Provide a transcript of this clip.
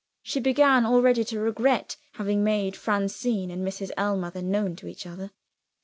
She began already to regret having made Francine and Mrs. Ellmother known to each other.